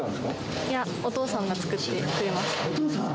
いや、お父さんが作ってくれお父さん？